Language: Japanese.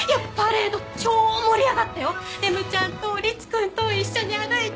レムちゃんと凛月君と一緒に歩いて！